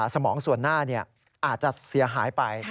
สมองส่วนหน้าอาจจะเสียหายไป